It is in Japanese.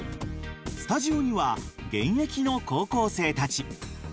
スタジオには現役の高校生たち。